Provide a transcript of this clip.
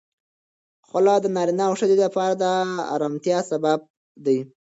خلع د نارینه او ښځې لپاره د آرامتیا سبب دی.